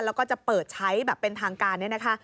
แล้วก็จะเปิดใช้แบบเป็นทางการ